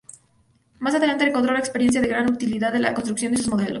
Más adelante encontró la experiencia de gran utilidad en la construcción de sus modelos.